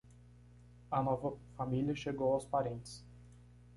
A nova família chegou aos parentes.